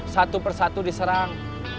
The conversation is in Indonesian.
satu persatu diserang